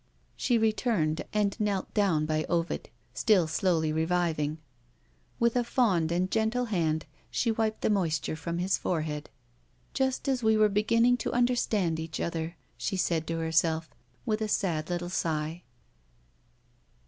She returned, and knelt down by Ovid still slowly reviving. With a fond and gentle hand, she wiped the moisture from his forehead. "Just as we were beginning to understand each other!" she said to herself, with a sad little sigh.